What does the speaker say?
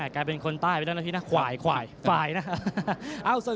กลายเป็นคนใต้ไปนะพี่คว่าอย่างฝันโดม